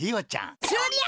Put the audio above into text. そりゃ！